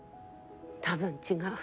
多分違う。